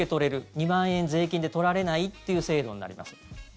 ２万円税金で取られないっていう制度になります。